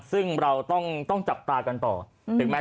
ซึ่งเราต้องต้องจับตากันต่ออืมแต่แม้